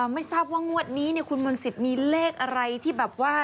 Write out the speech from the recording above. ไม่ทราบว่างวัดนี้เนี่ยคุณมณศิษย์มีเลขอะไรที่แบบว่า